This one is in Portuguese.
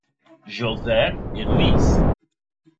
José e Luiz